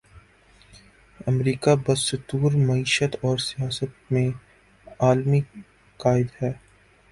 امریکہ بدستور معیشت اور سیاست میں عالمی قائد ہے۔